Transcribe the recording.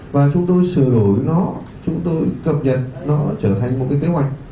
và chúng tôi sửa đổi nó chúng tôi cập nhật nó trở thành một cái kế hoạch